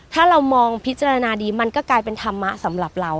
ถ้าเรามองพิจารณาดีมันก็กลายเป็นธรรมะสำหรับเรา